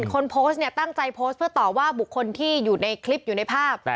คนโพสต์เนี่ยตั้งใจโพสต์เพื่อตอบว่าบุคคลที่อยู่ในคลิปอยู่ในภาพ